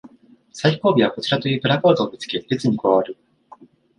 最後尾はこちらというプラカードを見つけ列に加わる